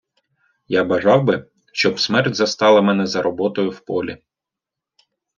Я бажав би, щоб смерть застала мене за роботою в полі.